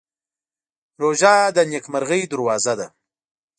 روژه د نېکمرغۍ دروازه ده.